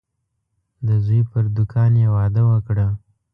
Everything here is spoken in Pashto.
د زوی پر دوکان یې وعده وکړه.